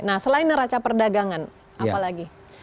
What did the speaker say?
nah selain raca perdagangan apa lagi